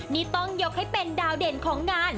นี่ต้องยกให้เป็นดาวเด่นของงาน